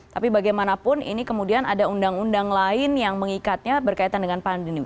tapi bagaimanapun ini kemudian ada undang undang lain yang mengikatnya berkaitan dengan pandemi